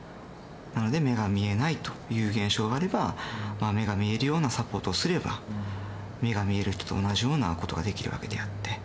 なので、目が見えないという現象があれば、目が見えるようなサポートをすれば、目が見える人と同じようなことができるわけであって。